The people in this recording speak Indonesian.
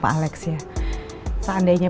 pak alex ya seandainya